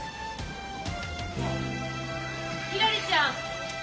ひらりちゃん！